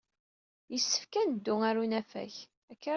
Yessefk ad neddu ɣer unafag.